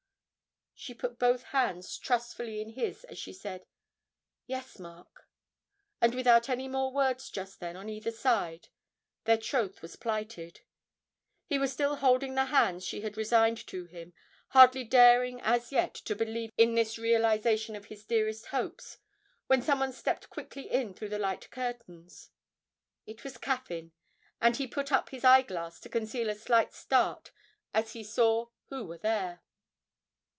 She put both hands trustfully in his as she said, 'Yes, Mark,' and without any more words just then on either side, their troth was plighted. He was still holding the hands she had resigned to him, hardly daring as yet to believe in this realisation of his dearest hopes, when someone stepped quickly in through the light curtains. It was Caffyn, and he put up his eyeglass to conceal a slight start as he saw who were there.